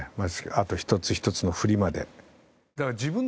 あと１つ１つの振りまで。